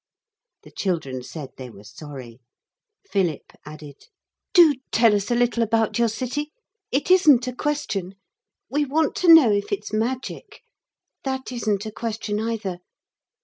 The children said they were sorry. Philip added: 'Do tell us a little about your city. It isn't a question. We want to know if it's magic. That isn't a question either.'